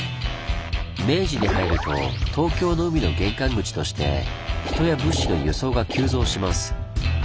明治に入ると東京の海の玄関口として人や物資の輸送が急増します。